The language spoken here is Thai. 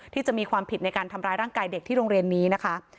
ที่มีความผิดในการทำร้ายร่างกายเด็กที่โรงเรียนนี้นะคะ